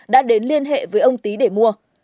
đã đến liên hệ với ông tý để mua